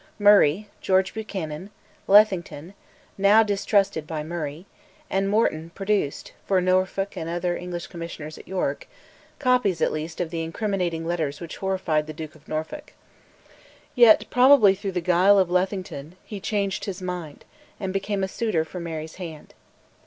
Murray, George Buchanan, Lethington (now distrusted by Murray), and Morton produced, for Norfolk and other English Commissioners at York, copies, at least, of the incriminating letters which horrified the Duke of Norfolk. Yet, probably through the guile of Lethington, he changed his mind, and became a suitor for Mary's hand.